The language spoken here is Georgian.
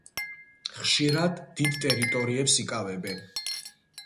ხშირად დიდ ტერიტორიებს იკავებენ.